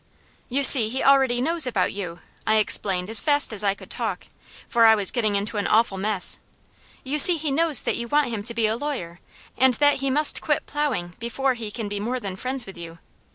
"You see he already knows about you," I explained as fast as I could talk, for I was getting into an awful mess. "You see he knows that you want him to be a lawyer, and that he must quit plowing before he can be more than friends with you.